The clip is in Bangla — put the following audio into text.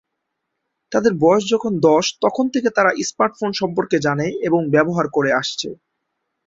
তাদের বয়স যখন দশ তখন থেকে তারা স্মার্টফোন সম্পর্কে জানে এবং ব্যবহার করে আসছে।